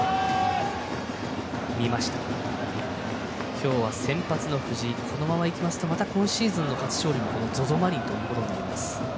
今日は先発の藤井このままいきますと今シーズン初勝利もＺＯＺＯマリンということになります。